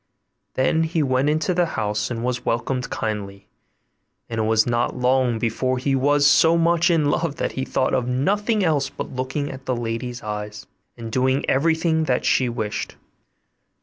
Then he went into the house, and was welcomed kindly; and it was not long before he was so much in love that he thought of nothing else but looking at the lady's eyes, and doing everything that she wished.